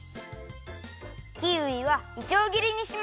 キウイはいちょうぎりにします。